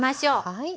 はい。